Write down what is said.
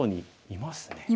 いますね。